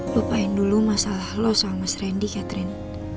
lupain dulu masalah lo sama mas randy catherine